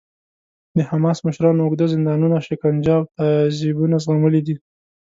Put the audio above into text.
د حماس مشرانو اوږده زندانونه، شکنجه او تعذیبونه زغملي دي.